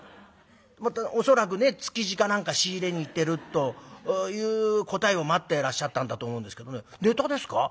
恐らくね築地か何か仕入れに行ってるという答えを待ってらっしゃったんだと思うんですけどね「ネタですか？